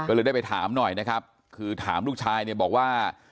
ก็เลยได้ไปถามหน่อยนะครับคือถามลูกชายเนี่ยบอกว่า